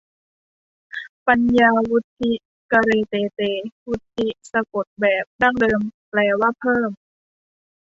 ปัญญาวุฑฒิ กะเรเตเต วุฑฒิ สะกดแบบดั้งเดิมแปลว่าเพิ่ม